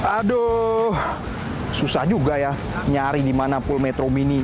aduh susah juga ya nyari di mana pool metro mini